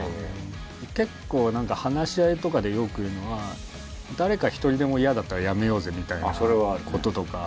結構話し合いとかでよく言うのは誰か１人でもイヤだったらやめようぜみたいな事とか。